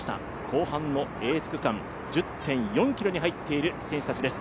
後半のエース区間、１０．４ｋｍに入っている選手たちです。